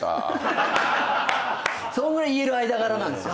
そんぐらい言える間柄なんですよ。